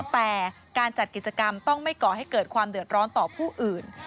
แต่การจัดกิจกรรมต้องไม่ก่อให้เกิดความเดือดร้อนต่อผู้อื่น